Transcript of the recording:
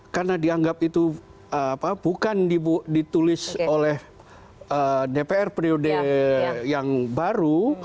karena dianggap itu bukan ditulis oleh dpr periode yang baru